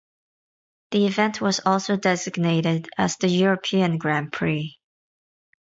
The event was also designated as the European Grand Prix.